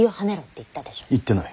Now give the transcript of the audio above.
言ってない。